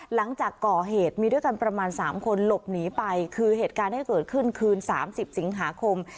หลังจากก่อเหตุมีด้วยกันประมาณ๓คนหลบหนีไปคือเหตุการณ์ที่เกิดขึ้นคืน๓๐สิงหาคม